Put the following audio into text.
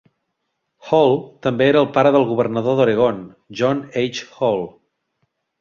Hall també era el pare del governador d'Oregon, John H. Hall.